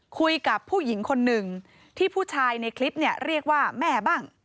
คุยกับผู้หญิงคนหนึ่งที่ผู้ชายในคลิปเนี่ยเรียกว่าแม่บ้าง